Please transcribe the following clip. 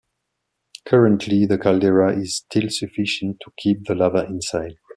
Currently the caldera is still sufficient to keep the lava inside.